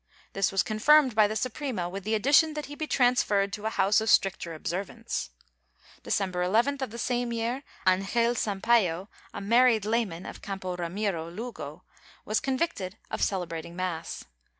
This was confirmed by the Suprema, with the addition that he be transferred to a house of stricter observance. December 11th of the same year. Angel Sampayo, a married layman of Campo Ramiro (Lugo) was con victed of celebrating mass.